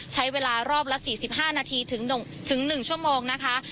ใช้เวลารอบละ๔๕นาทีถึง๑ชั่วโมงนะคะ